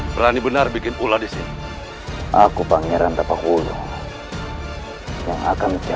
berani benar bikin pula disini aku pangeran dapat ujung yang akan mencabut nyawa